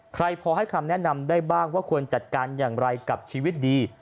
ใครพอให้คำแนะนำได้บ้างว่าควรจัดการอย่างไรกับชีวิตดี